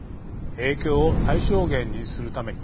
影響を最小限にするために。